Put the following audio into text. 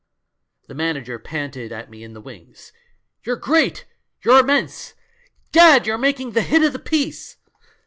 The manager panted at me in the wings : 'You're great — you're immense. Gad! you're making the hit of the piece